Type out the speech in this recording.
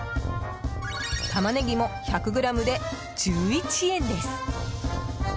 タマネギも１００ｇで１１円です。